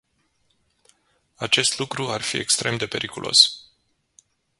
Acest lucru ar fi extrem de periculos.